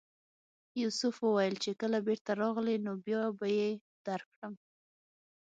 یوسف وویل چې کله بېرته راغلې نو بیا به یې درکړم.